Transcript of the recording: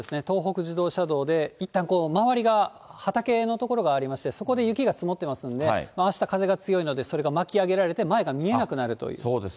東北自動車道でいったん、周りが畑の所がありまして、そこで雪が積もってますんで、あした風が強いので、それが巻き上げられて、前が見えなくなるという。